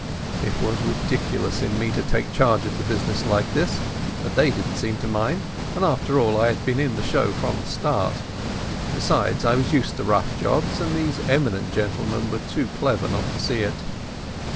It was ridiculous in me to take charge of the business like this, but they didn't seem to mind, and after all I had been in the show from the start. Besides, I was used to rough jobs, and these eminent gentlemen were too clever not to see it.